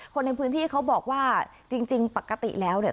คนในพื้นที่เขาบอกว่าจริงปกติแล้วเนี่ย